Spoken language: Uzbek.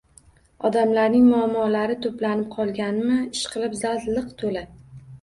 Odamlarning muammolari to`planib qolganmi, ishqilib zal liq to`la